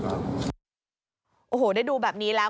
ได้ดูแบบนี้แล้ว